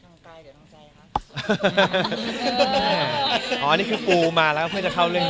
มันเป็นปัญหาสุขภาพทางกายหรือทางใจหรือครับ